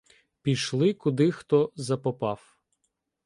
Пішли, куди хто запопав.